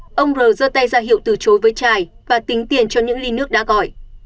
sau đó ông r dơ tay ra hiệu từ chối với chai và tính tiền cho những ly nước đã gọi